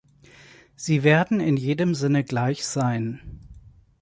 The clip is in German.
Sie werden in jedem Sinne gleich sein.